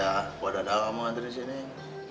aku ada dalam ngantri si neng